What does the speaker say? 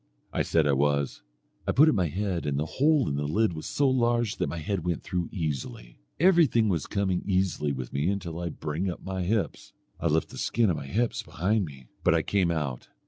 I said I was. I put up my head, and the hole in the lid was so large, that my head went through easily. Everything was coming easily with me till I began to bring up my hips. I left the skin of my hips behind me, but I came out.